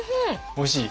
おいしい？